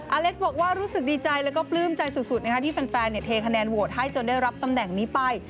อเล็กบอกว่ารู้สึกดีใจแล้วก็ปลื้มใจสุดที่แฟนเทคะแนนโหวตให้จนได้รับตำแหน่งนี้ไป